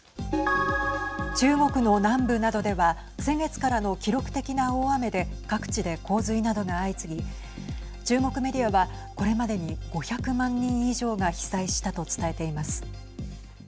中国の南部などでは先月からの記録的な大雨で各地で洪水などが相次ぎ中国メディアは、これまでに５００万人以上が被災したと伝えています。